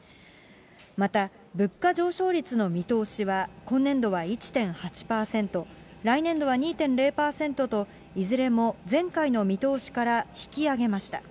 また物価上昇率の見通しは今年度は１．８％、来年度は２．０％と、いずれも前回の見通しから引き上げました。